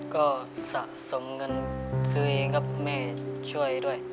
ก็สะสมเงินซื้อเองกับแม่ช่วยด้วย